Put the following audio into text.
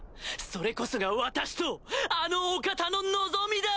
それこそが私とあのお方の望みだ！